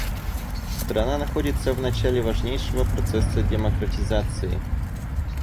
Страна находится в начале важнейшего процесса демократизации.